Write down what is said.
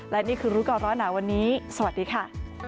และนี่คือรู้ก่อนร้อนหนาวันนี้สวัสดีค่ะ